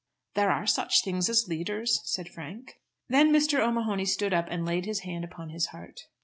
"There are such things as leaders," said Frank. Then Mr. O'Mahony stood up and laid his hand upon his heart.